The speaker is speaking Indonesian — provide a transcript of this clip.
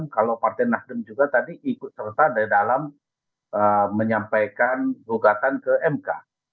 kalau partai nasdem juga tadi ikut serta di dalam menyampaikan gugatan ke mk